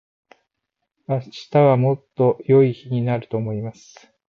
明日はもっと良い日になると思います。